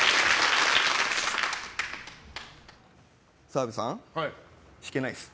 澤部さん、弾けないです。